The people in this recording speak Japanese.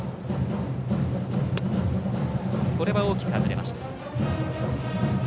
これは大きく外れました。